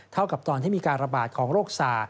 เท่ากับตอนที่มีการระบาดของโรคสา